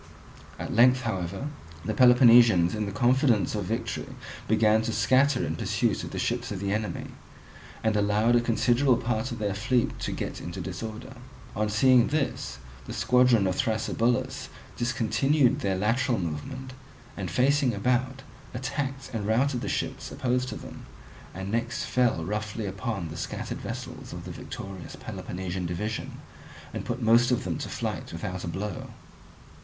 At length, however, the Peloponnesians in the confidence of victory began to scatter in pursuit of the ships of the enemy, and allowed a considerable part of their fleet to get into disorder. On seeing this the squadron of Thrasybulus discontinued their lateral movement and, facing about, attacked and routed the ships opposed to them, and next fell roughly upon the scattered vessels of the victorious Peloponnesian division, and put most of them to flight without a blow.